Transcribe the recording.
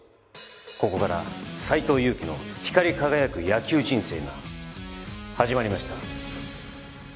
ここから斎藤佑樹の光り輝く野球人生が始まりました